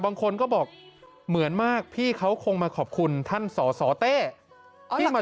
บางคนก็บอกเหมือนมากพี่เขาคงมาขอบคุณท่านสสเต้ที่มา